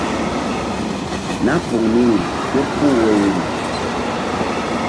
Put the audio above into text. Nah poŋ niri ké puh woyri.